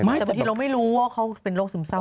แต่บางทีเราไม่รู้ว่าเขาเป็นโรคซึมเศร้า